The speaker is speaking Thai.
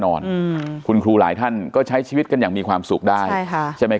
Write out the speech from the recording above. อืมคุณครูหลายท่านก็ใช้ชีวิตกันอย่างมีความสุขได้ใช่ค่ะใช่ไหม